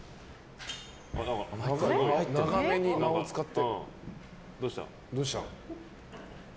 長めに間を使って。